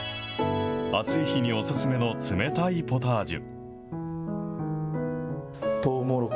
暑い日にお勧めの冷たいポタージュ。